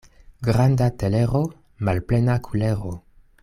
Granda telero, malplena kulero.